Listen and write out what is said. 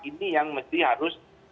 ini yang mesti harus